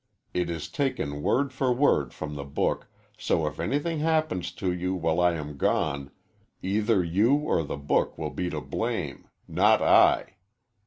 It is taken word for word from the book, so if anything happens to you while I am gone, either you or the book will be to blame not I.